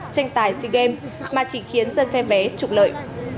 tranh tài c game mà chỉ khiến dân phê vé trục lợi